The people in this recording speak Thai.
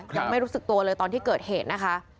ยังไม่รู้สึกตัวเลยตอนที่เกิดเหตุนะคะ